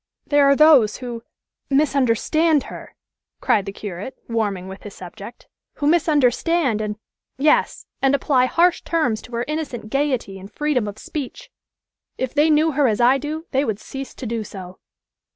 "There are those who misunderstand her," cried the curate, warming with his subject, "who misunderstand, and yes, and apply harsh terms to her innocent gayety and freedom of speech: if they knew her as I do, they would cease to do so."